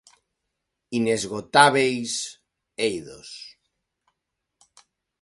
Inesgotábeis 'Eidos'.